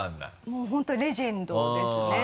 もう本当にレジェンドですね。